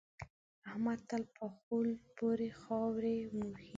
احمد تل په خول پورې خاورې موښي.